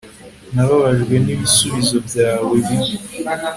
nababajwe n'ibisubizo byawe bibi